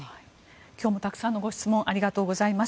今日もたくさんのご質問をありがとうございます。